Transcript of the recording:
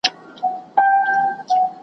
زنګېدی د زمري لور ته ور روان سو .